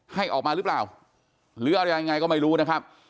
ให้ออกมาหรือเปล่าหรืออะไรยังไงก็ไม่รู้นะครับ